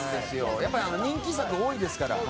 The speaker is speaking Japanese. やっぱり人気作多いですから。